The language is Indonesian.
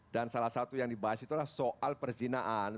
dan salah satu yang dibahas itulah soal perjinaan